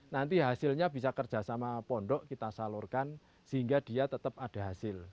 nanti hasilnya bisa kerjasama pondok kita salurkan sehingga dia tetap ada hasil